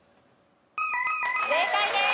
正解です。